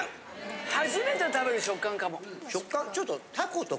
初めて食べる食感かも。